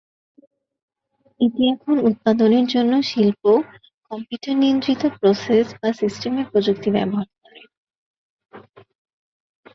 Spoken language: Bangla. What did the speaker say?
এটি এখন উৎপাদনের জন্য শিল্প কম্পিউটার নিয়ন্ত্রিত প্রসেস/সিস্টেমের প্রযুক্তি ব্যবহার করে।